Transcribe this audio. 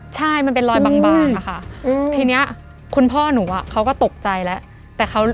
ใช่มันเป็นรอยบางอะค่ะทีนี้คุณพ่อหนูเขาก็ตกใจแล้ว